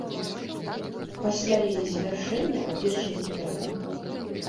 Пасля яе звяржэння абвешчаны імператарам.